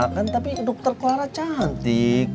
ya kan tapi dokter clara cantik